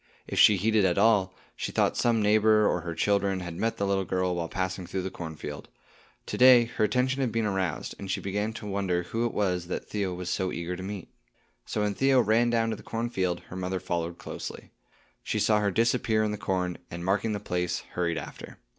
If she heeded at all, she thought some neighbor or her children had met the little girl while passing through the cornfield. To day her attention had been aroused, and she began to wonder who it was that Theo was so eager to meet. So when Theo ran down to the cornfield, her mother followed closely. She saw her disappear in the corn, and marking the place, hurried after.